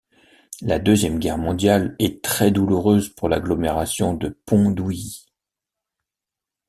La Deuxième Guerre mondiale est très douloureuse pour l'agglomération de Pont-d'Ouilly.